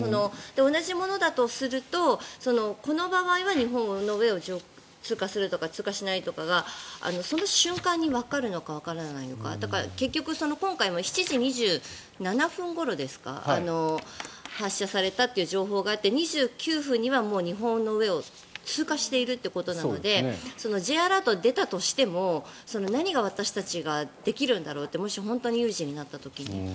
同じものだとすると、この場合は日本の上を通過するとか通過しないとかがその瞬間にわかるのかわからないのかだから、結局今回も７時２７分ごろですか発射されたという情報があって２９分には日本の上を通過しているということなのでＪアラートが出たとしても何が私たちができるんだろうってもし本当に有事になった時に。